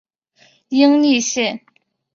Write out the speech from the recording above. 殷栗线